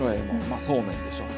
まあそうめんでしょう。